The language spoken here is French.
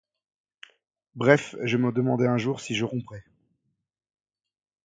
Bref, je me demandais un jour si je romprais